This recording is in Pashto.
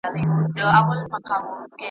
چیغي ته یې له سوات څخه تر سنده .